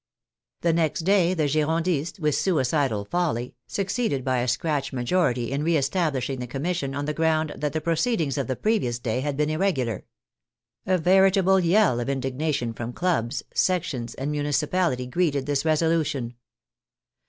The next day the Girondists, with suicidal folly, succeeded by a scratch majority in re establishing the Commission on the ground that the pro ceedings of the previous day had been irregular. A ver itable yell of indignation from clubs, sections, and muni cipality greeted this resolution.